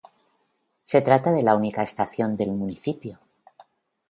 Se trata de la única estación del municipio.